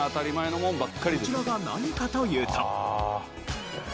こちらが何かというと。